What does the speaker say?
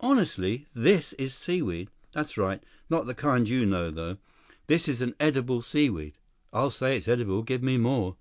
"Honestly. This is seaweed?" "That's right. Not the kind you know, though. This is an edible seaweed." "I'll say it's edible. Give me more."